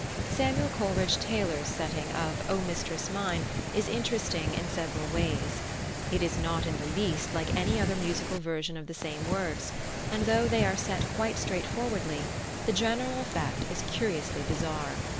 +Samuel Coleridge Taylor's+ setting of "O mistress mine" is interesting in several ways. It is not in the least like any other musical version of the same words, and, though they are set quite straightforwardly, the general effect is curiously bizarre.